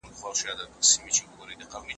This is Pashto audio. د غلا مال به ئې خاوند ته وسپارل سي.